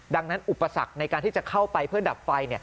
ดังนั้นอุปสรรคในการที่จะเข้าไปเพื่อดับไฟ